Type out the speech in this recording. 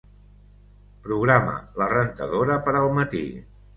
Programa la rentadora per al matí.